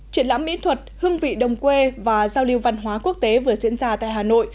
triển lãm mỹ thuật hương vị đồng quê và giao lưu văn hóa quốc tế vừa diễn ra tại hà nội